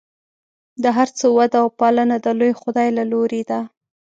د هر څه وده او پالنه د لوی خدای له لورې ده.